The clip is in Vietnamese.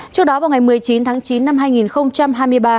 trước đó vào ngày một mươi chín tháng chín năm hai nghìn một mươi chín